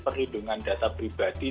perlindungan data pribadi